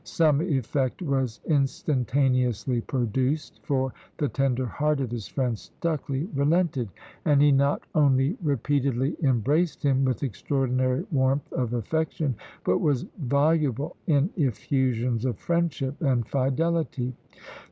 Some effect was instantaneously produced; for the tender heart of his friend Stucley relented, and he not only repeatedly embraced him with extraordinary warmth of affection, but was voluble in effusions of friendship and fidelity.